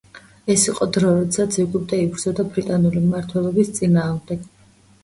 ეს იყო დრო, როდესაც ეგვიპტე იბრძოდა ბრიტანული მმართველობის წინააღმდეგ.